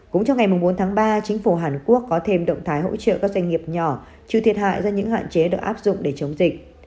cũng trong ngày bốn tháng ba chính phủ hàn quốc có thêm động thái hỗ trợ các doanh nghiệp nhỏ trừ thiệt hại do những hạn chế được áp dụng để chống dịch